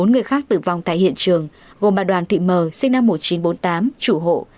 bốn người khác tử vong tại hiện trường gồm bà đoàn thị m sinh năm một nghìn chín trăm bốn mươi tám chủ hộ